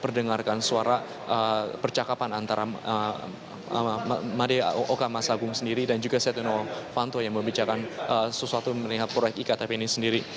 mendengarkan suara percakapan antara madeoka masagung sendiri dan juga setia novanto yang membicarakan sesuatu melihat proyek iktp ini sendiri